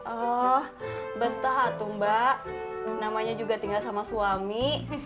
oh betah tuh mbak namanya juga tinggal sama suami